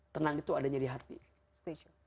tenang itu adanya di hati station